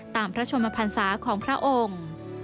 พระชมพันศาของพระองค์